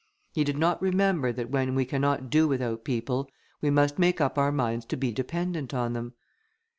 He did not remember, that when we cannot do without people, we must make up our minds to be dependent on them.